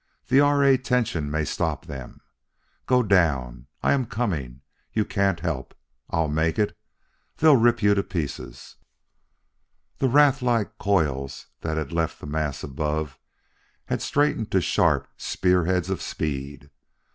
The R. A. tension may stop them!... Go down! I am coming you can't help I'll make it they'll rip you to pieces " The wraith like coils that had left the mass above had straightened to sharp spear heads of speed.